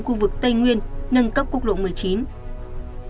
khu vực tây nguyên nâng cấp quốc lộ một mươi chín